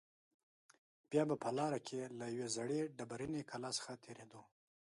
بیا به په لاره کې له یوې زړې ډبرینې کلا څخه تېرېدو.